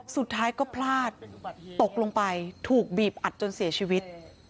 สุดท้ายก็พลาดตกลงไปถูกบีบอัดจนเสียชีวิต